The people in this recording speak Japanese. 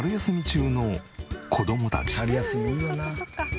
春休みいいよな。